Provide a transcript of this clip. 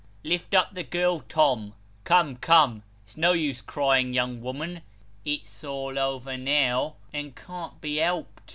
Lift up the girl, Tom come, come, it's no use crying, young woman. It's all over now, and can't be helped."